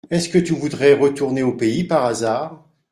Est-ce que tu voudrais retourner au pays, par hasard ?